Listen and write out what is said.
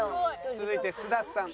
続いて須田さん。